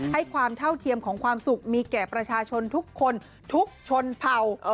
ความเท่าเทียมของความสุขมีแก่ประชาชนทุกคนทุกชนเผ่า